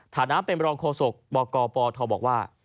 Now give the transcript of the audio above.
ฐานะเป็นรองโฆษกบกปทบอกว่า